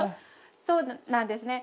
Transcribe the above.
そうなんですね。